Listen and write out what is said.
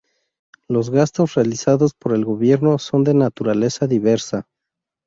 Los gastos realizados por el gobierno son de naturaleza diversa.